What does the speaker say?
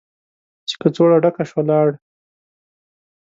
چې کڅوړه ډکه شوه، لاړ.